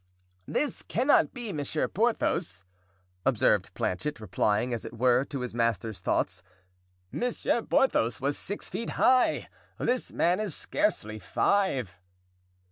"This cannot be Monsieur Porthos," observed Planchet replying, as it were, to his master's thoughts. "Monsieur Porthos was six feet high; this man is scarcely five."